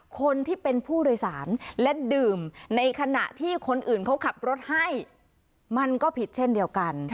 คนที่เป็นผู้โดยสารและดื่มในขณะที่คนอื่นเขาขับรถให้มันก็ผิดเช่นเดียวกัน